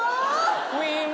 ウィーン。